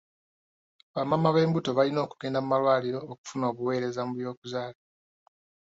Bamaama b'embuto balina okugenda mu malwaliro okufuna obuweereza mu by'okuzaala.